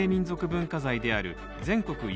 文化財である全国